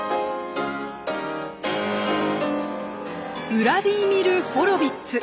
ウラディーミル・ホロヴィッツ。